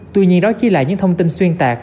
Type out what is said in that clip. tuy nhiên đó chỉ là những thông tin xuyên tạc